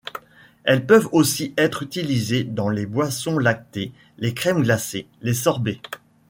Elles peuvent aussi être utilisées dans les boissons lactées, les crèmes glacées, les sorbets.